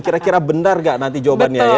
kira kira benar nggak nanti jawabannya ya